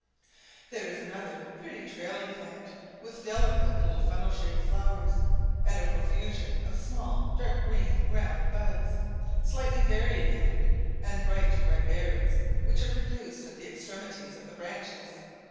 There is another pretty trailing plant, with delicate little funnel shaped flowers, and a profusion of small dark green round buds, slightly variegated, and bright red berries, which are produced at the extremities of the branches.